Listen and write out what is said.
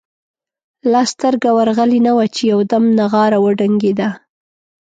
لا سترګه ورغلې نه وه چې یو دم نغاره وډنګېده.